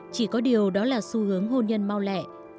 chỉ có điều đó là xu hướng hôn nhân mau lẻ